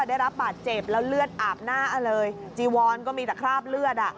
ได้รับบาดเจ็บแล้วเลือดอาบหน้าเลยจีวอนก็มีแต่คราบเลือดอ่ะ